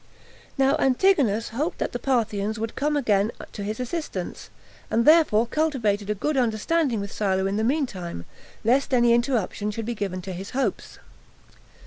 Now Antigonus hoped that the Parthians would come again to his assistance, and therefore cultivated a good understanding with Silo in the mean time, lest any interruption should be given to his hopes.